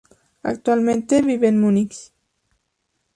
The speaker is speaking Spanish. Actualmente vive en Munich.